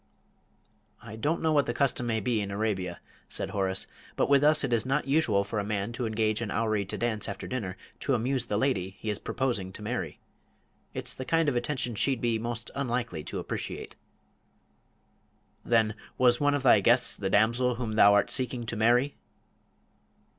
"I don't know what the custom may be in Arabia," said Horace, "but with us it is not usual for a man to engage a houri to dance after dinner to amuse the lady he is proposing to marry. It's the kind of attention she'd be most unlikely to appreciate. "Then was one of thy guests the damsel whom thou art seeking to marry?"